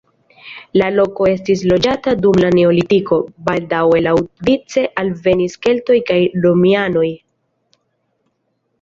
La loko estis loĝata dum la neolitiko, baldaŭe laŭvice alvenis keltoj kaj romianoj.